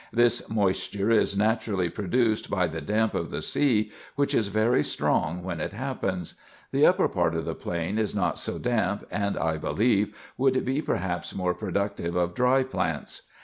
This moisture is naturally produced by the damp of the sea, which is very strong when it happens. The upper part of the plain is not so damp, and, I believe, would be perhaps more productive of dry plants.